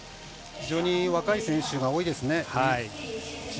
非常に若い選手が多いですね。